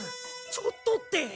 「ちょっと」って。